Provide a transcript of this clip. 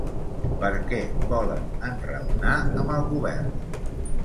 Per què volen enraonar amb el govern?